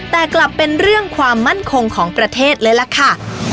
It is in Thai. แต่กลับเป็นเรื่องความมั่นคงของประเทศเลยล่ะค่ะ